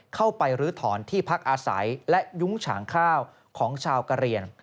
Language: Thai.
เข้าไปลื้อถอนที่พักอาศัยและยุ้งฉางข้าวของชาวกะเรียง